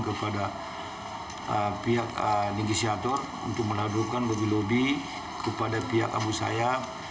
kepada pihak negisiator untuk menadukan lobby lobby kepada pihak abu sayyaf